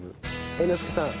猿之助さん